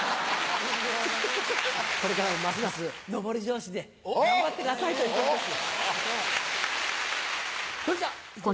これからもますますノボリ調子で頑張ってくださいということです。